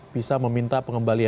bisa meminta pengembangnya